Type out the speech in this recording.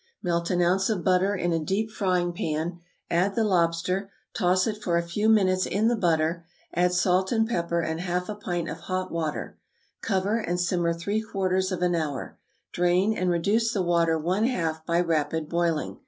Melt an ounce of butter in a deep frying pan; add the lobster; toss it for a few minutes in the butter; add salt and pepper and half a pint of hot water; cover, and simmer three quarters of an hour; drain, and reduce the water one half by rapid boiling.